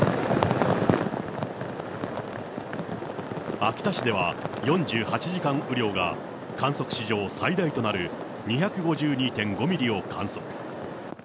秋田市では４８時間雨量が観測史上最大となる２５２．５ミリを観測。